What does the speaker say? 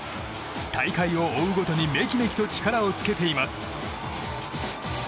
大会を追うごとにメキメキと力をつけています。